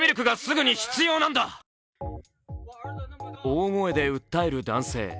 大声で訴える男性。